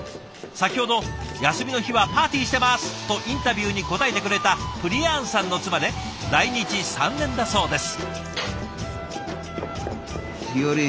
先ほど「休みの日はパーティしてます」とインタビューに答えてくれたプリヤーンさんの妻で来日３年だそうです。